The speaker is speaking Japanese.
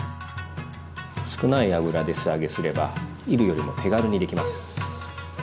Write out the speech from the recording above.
少ない油で素揚げすればいるよりも手軽にできます。